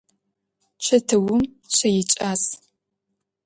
Чэтыум щэ икӏас.